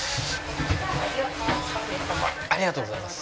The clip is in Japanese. ありがとうございます。